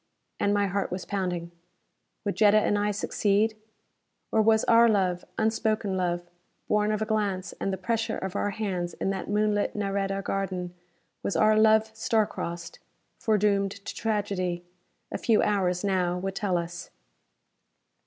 And my heart was pounding. Would Jetta and I succeed? Or was our love unspoken love, born of a glance and the pressure of our hands in that moonlit Nareda garden was our love star crossed, foredoomed to tragedy? A few hours, now, would tell us.